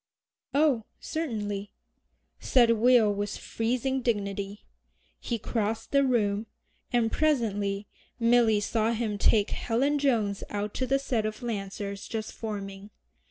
"Oh, certainly," said Will with freezing dignity. He crossed the room, and presently Milly saw him take Helen Jones out to the set of Lancers just forming.